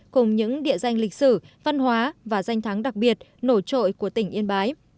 cùng những địa danh lịch sử văn hóa và danh thắng đặc biệt nổi trội của tỉnh yên bái